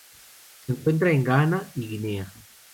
Se encuentra en Ghana y Guinea.